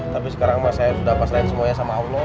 tapi sekarang mah saya sudah pasrahin semuanya sama allah